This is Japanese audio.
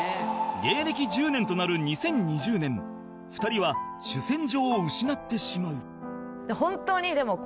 芸歴１０年となる２０２０年２人は主戦場を失ってしまう